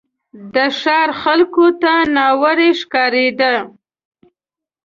د ښار خلکو ته ناوړه ښکارېدی.